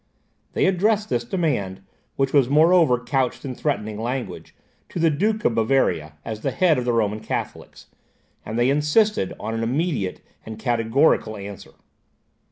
They addressed this demand, which was moreover couched in threatening language, to the Duke of Bavaria, as the head of the Roman Catholics, and they insisted on an immediate and categorical answer.